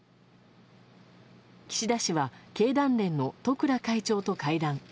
岸田氏は経団連の十倉会長と会談。